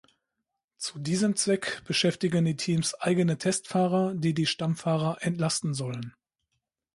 Zu diesem Zweck beschäftigen die Teams eigene Testfahrer, die die Stammfahrer entlasten sollen.